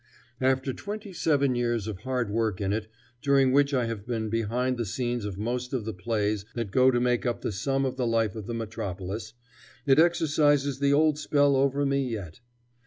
After twenty seven years of hard work in it, during which I have been behind the scenes of most of the plays that go to make up the sum of the life of the metropolis, it exercises the old spell over me yet.